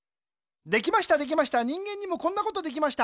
できましたできました人間にもこんなことできました。